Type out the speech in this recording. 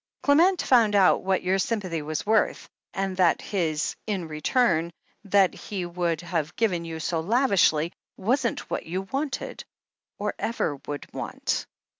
Clement found out what your sym pathy was worth, and that his, in return, that he would have given you so lavishly, wasn't what you wanted, or ever would want.